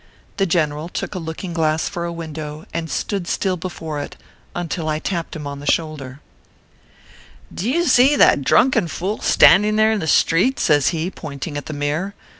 The general took a looking glass for a window, and stood still before it, until I tapped him on the shoulder. ORPHEUS C. KERR PAPERS. 171 " D you zee that drunken fool standing there in the street ?" says he, pointing at the mirror.